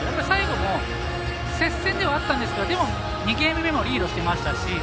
最後も接戦ではあったんですが２ゲーム目もリードしていましたし